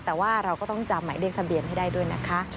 แต่ว่าเราก็ต้องจำหมายเลขทะเบียนให้ได้ด้วยนะคะ